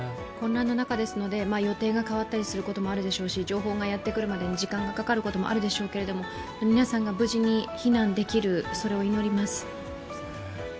混乱の中ですので、予定が変わることもあるでしょうし情報がやってくるまでに、時間がかかることもあるでしょうけれども皆さんが無事に避難できる、それを祈ります。